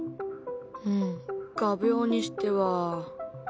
うん画びょうにしては。